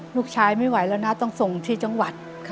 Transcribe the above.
ไม่ไหวแล้วนะต้องส่งที่จังหวัด